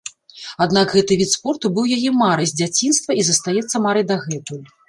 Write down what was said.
Аднак гэты від спорту быў яе марай з дзяцінства і застаецца марай дагэтуль.